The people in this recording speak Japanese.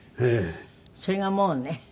それがもうね